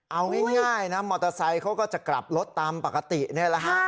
เอาง่ายนะมอเตอร์ไซค์เขาก็จะกลับรถตามปกตินี่แหละฮะ